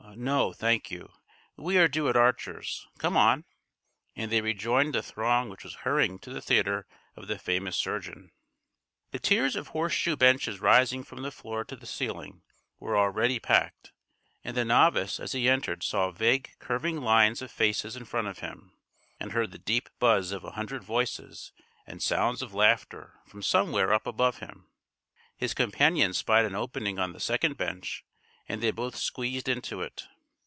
"No, thank you. We are due at Archer's. Come on!" and they rejoined the throng which was hurrying to the theatre of the famous surgeon. The tiers of horseshoe benches rising from the floor to the ceiling were already packed, and the novice as he entered saw vague curving lines of faces in front of him, and heard the deep buzz of a hundred voices, and sounds of laughter from somewhere up above him. His companion spied an opening on the second bench, and they both squeezed into it.